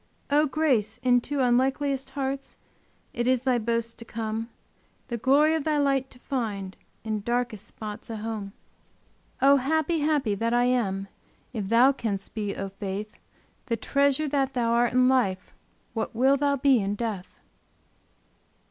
Oh grace! into unlikeliest hearts It is thy boast to come The glory of Thy light to find In darkest spots a home. Oh happy, happy that I am! If thou canst be, O faith The treasure that thou art in life What wilt thou be in death?